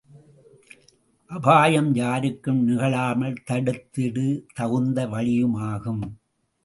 அபாயம் யாருக்கும் நிகழாமல் தடுத்திட தகுந்த வழியுமாகும்.